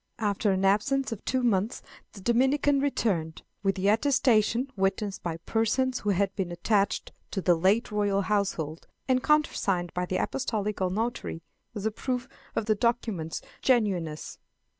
After an absence of two months the Dominican returned, with an attestation, witnessed by persons who had been attached to the late royal household, and countersigned by the apostolical notary, as a proof of the document's genuineness.